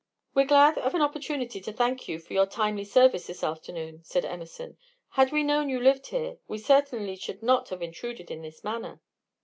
"We're glad of an opportunity to thank you for your timely service this afternoon," said Emerson. "Had we known you lived here, we certainly should not have intruded in this manner."